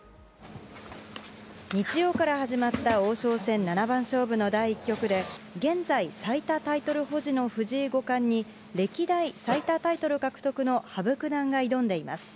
日曜から始まった王将戦七番勝負の第１局で、現在最多タイトル保持の藤井五冠に、歴代最多タイトル獲得の羽生九段が挑んでいます。